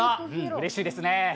うれしいですね。